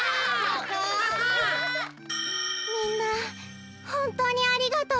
みんなほんとうにありがとう。